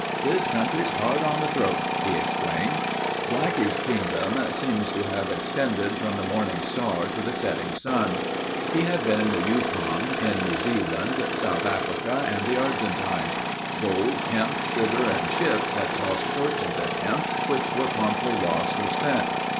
"This country's hard on the throat," he explained. Blackie's kingdom seemed to have extended from the morning star to the setting sun. He had been in the Yukon, in New Zealand, South Africa, and the Argentine. Gold, hemp, sugar, and ships had tossed fortunes at him which were promptly lost or spent.